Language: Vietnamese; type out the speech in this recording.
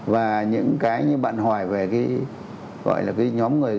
và những cái như bạn hỏi về cái gọi là cái nhóm người